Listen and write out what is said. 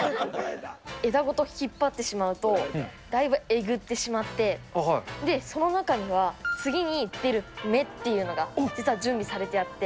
枝ごと引っ張ってしまうと、だいぶ、えぐってしまって、で、その中には次に出る芽っていうのが、実は準備されてあって。